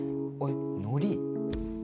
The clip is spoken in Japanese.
のり。